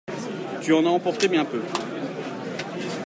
Tu en as emporté bien peu.